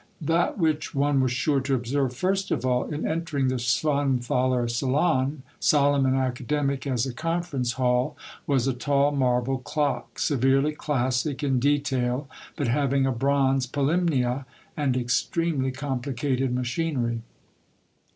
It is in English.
That which one was sure to observe first of all in entering the Schwanthaler salon, solemn and academic as a conference hall, was a tali marble clock, severely classic in detail, but having a bronze Polymnia, and extremely complicated machinery.